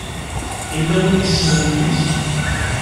Yella win yessnen mmi-s?